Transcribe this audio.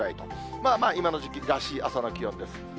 まあまあ今の時期らしい朝の気温です。